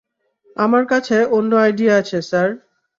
আমার কাছে অন্য আইডিয়া আছে, স্যার।